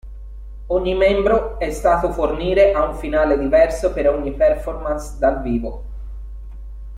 Ogni membro è stato fornire a un finale diverso per ogni performance dal vivo.